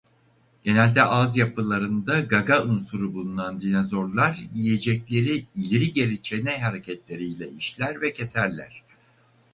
Genelde ağız yapılarında gaga unsuru bulunan dinozorlar yiyecekleri ileri-geri çene hareketiyle işler ve keserler.